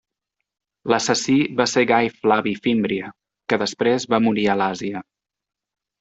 L’assassí va ser Gai Flavi Fímbria, que després va morir a l'Àsia.